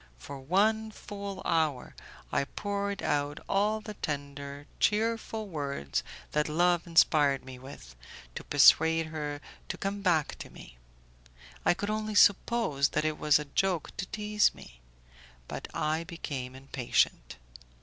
For one full hour I poured out all the tender, cheerful words that love inspired me with, to persuade her to come back to me; I could only suppose that it was a joke to tease me. But I became impatient.